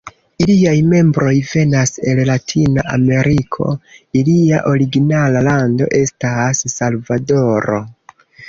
Iliaj membroj venas el latina ameriko, ilia originala lando estas Salvadoro.